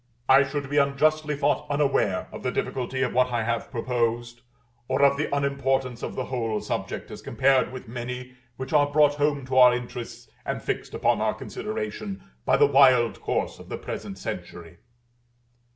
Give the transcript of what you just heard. I should be unjustly thought unaware of the difficulty of what I have proposed, or of the unimportance of the whole subject as compared with many which are brought home to our interests and fixed upon our consideration by the wild course of the present century.